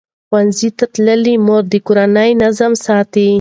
ښوونځې تللې مور د کور نظم ساتي.